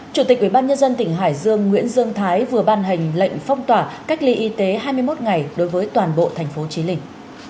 chủ tịch ủy ban nhân dân tỉnh hải dương nguyễn dương thái vừa ban hành lệnh phong tỏa cách ly y tế hai mươi một ngày đối với toàn bộ thành phố chí linh